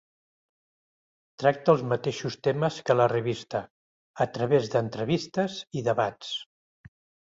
Tracte els mateixos temes que la revista, a través d'entrevistes i debats.